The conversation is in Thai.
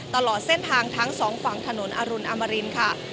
ตลอดเส้นทางทั้งสองฝั่งถนนอรุณอมรินค่ะ